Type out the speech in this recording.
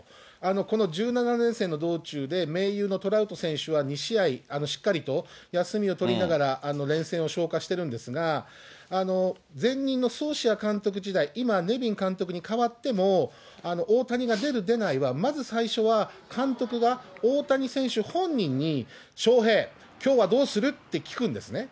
この１７連戦の道中で盟友のトラウト選手は２試合、しっかりと休みを取りながら連戦を消化してるんですが、前任のソーシア監督時代、今、ネビン監督に代わっても、大谷が出る出ないは、まず最初は監督が大谷選手本人に翔平、きょうはどうする？って聞くんですね。